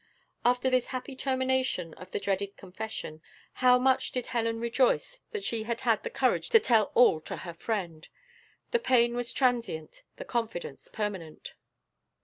After this happy termination of the dreaded confession, how much did Helen rejoice that she had had the courage to tell all to her friend. The pain was transient the confidence permanent.